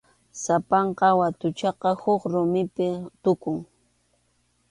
Sapanka watuchataq huk rumipi tukun.